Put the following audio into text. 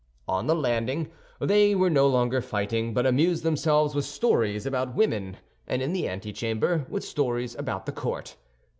On the landing they were no longer fighting, but amused themselves with stories about women, and in the antechamber, with stories about the court.